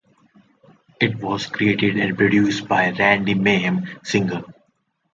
It was created and produced by Randi Mayem Singer.